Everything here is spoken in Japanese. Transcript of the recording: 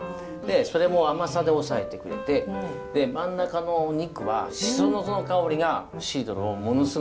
それも甘さで抑えてくれて真ん中のお肉はしその香りがシードルをものすごい持ち上げるんで。